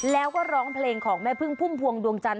แล้วก็ร้องเพลงของแม่พึ่งพุ่มพวงดวงจันท